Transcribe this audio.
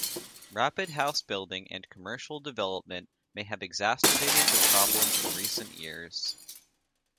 Rapid house-building and commercial development may have exacerbated the problem in recent years.